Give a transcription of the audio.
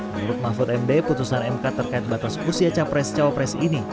menurut mahfud md putusan mk terkait batas usia capres cawapres ini